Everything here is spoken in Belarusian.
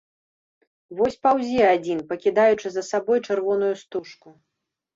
Вось паўзе адзін, пакідаючы за сабой чырвоную стужку.